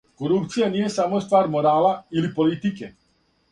Корупција није само ствар морала или политике.